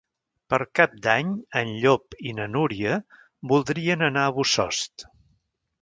Per Cap d'Any en Llop i na Núria voldrien anar a Bossòst.